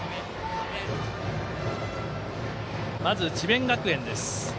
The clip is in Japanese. まず、智弁学園です。